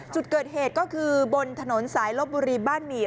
จุดเกิดเหตุก็คือบนถนนสายลบบุรีบ้านหมี่